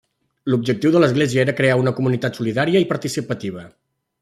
L'objectiu de l'església era crear una comunitat solidària i participativa.